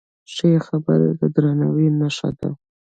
ښې خبرې د درناوي نښه ده.